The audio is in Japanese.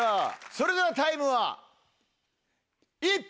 それではタイムは１分。